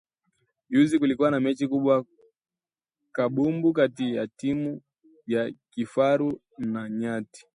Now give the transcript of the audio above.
Juzi kulikuwa na mechi kubwa ya kabumbu kati ya timu ya Kifaru na ya Nyati